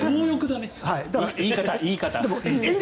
言い方、言い方。